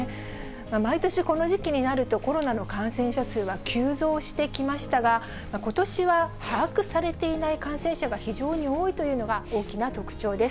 毎年この時期になると、コロナの感染者数は急増してきましたが、ことしは把握されていない感染者が非常に多いというのが、大きな特徴です。